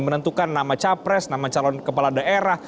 menentukan nama capres nama calon kepala daerah